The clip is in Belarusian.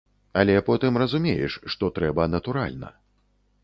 Але потым разумееш, што трэба натуральна.